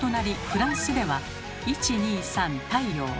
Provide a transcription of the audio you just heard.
フランスでは「１２３太陽」。